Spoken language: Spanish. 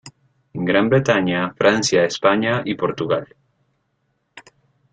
En Gran Bretaña, Francia, España y Portugal.